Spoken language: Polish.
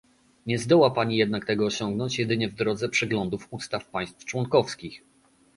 Nie zdoła Pani jednak tego osiągnąć jedynie w drodze przeglądów ustaw państw członkowskich